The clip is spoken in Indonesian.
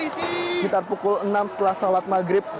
sekitar pukul enam setelah salat maghrib